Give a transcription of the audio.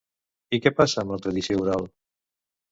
I què passa amb la tradició oral?